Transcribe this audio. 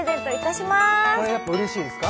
これはやっぱうれしいですか？